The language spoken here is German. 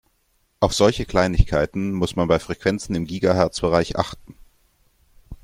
Auf solche Kleinigkeiten muss man bei Frequenzen im Gigahertzbereich achten.